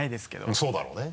そうだろうね。